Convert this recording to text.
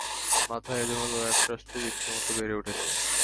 মাথায় এলেমেলো একরাশ চুল ইচ্ছেমতো বেড়ে উঠেছে।